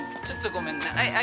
ちょっとごめんね。